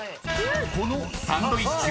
［このサンドイッチは？］